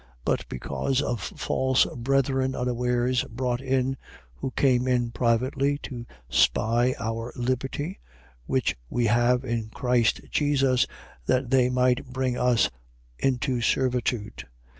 2:4. But because of false brethren unawares brought in, who came in privately to spy our liberty which we have in Christ Jesus, that they might bring us into servitude.